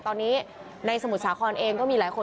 ตอนนี้ในสมุทรสาครเองก็มีหลายคน